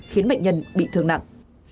khiến bệnh nhân bị thương nặng